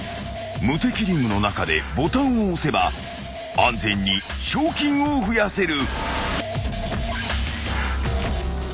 ［無敵リングの中でボタンを押せば安全に賞金を増やせる］